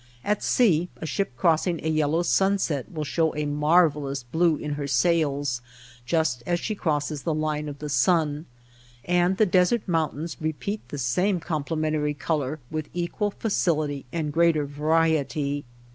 At sea a ship crossing a yellow sunset will show a mar vellous blue in her sails just as she crosses the line of the sun, and the desert mountains re peat the same complementary color with equal facility and greater variety.